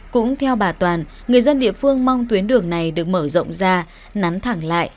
cũng theo bà toàn người dân địa phương mong tuyến đường này được mở rộng ra nắn thẳng lại